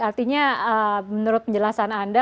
artinya menurut penjelasan anda